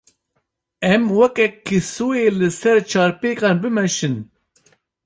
Em weke kîsoyê li ser çarpêkan, bimeşin.